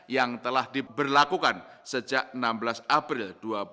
yang telah diberlakukan sejak enam belas april dua ribu dua puluh